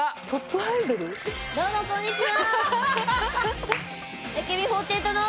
どうもこんにちは。